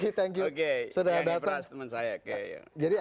yang ini pras teman saya